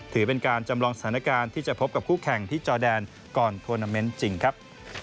ถือเป็นการจำลองสถานการณ์ที่จะพบกับคู่แข่งที่จอแดนก่อนทวนาเมนต์จริงครับ